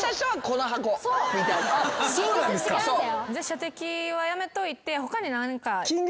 射的はやめといて他に何か。